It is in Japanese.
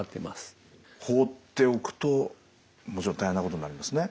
放っておくともちろん大変なことになりますね。